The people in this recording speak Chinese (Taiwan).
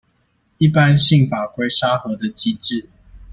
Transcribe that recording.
一般性法規沙盒的機制